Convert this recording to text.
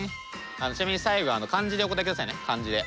ちなみに最後は漢字でお答えくださいね漢字で。